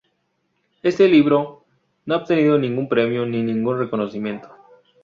Este libro no ha obtenido ningún premio ni ningún reconocimiento